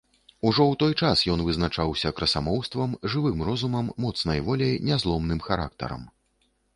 Ужо ў той час ён вызначаўся красамоўствам, жывым розумам, моцнай воляй, нязломным характарам.